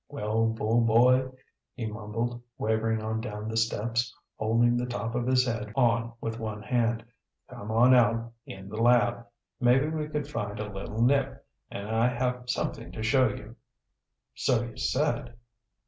"Well, Bull boy," he mumbled, wavering on down the steps, holding the top of his head on with one hand, "come on out in the lab. Maybe we could find a little nip. And I have something to show you." "So you said."